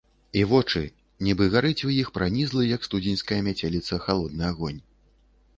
І вочы - нібы гарыць у іх пранізлы, як студзеньская мяцеліца, халодны агонь.